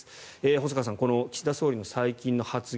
細川さん岸田総理の最近の発言